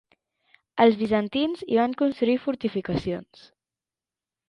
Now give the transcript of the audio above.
Els bizantins hi van construir fortificacions.